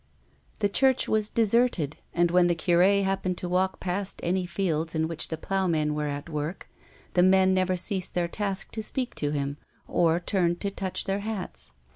The church was deserted, and when the cure happened to 192 A WOMAN'S LIFE. walk past any fields in which the ploughmen were at work, the men never ceased their task to speak to him, or turned to touch their hats.